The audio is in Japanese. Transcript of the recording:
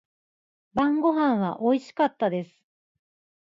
晩御飯は美味しかったです。